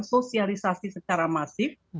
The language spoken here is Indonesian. sosialisasi secara masif